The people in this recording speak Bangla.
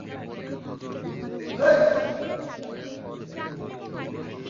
জানি শান্ত থাকা তোমার গুণগত বৈশিষ্ট্য নয়।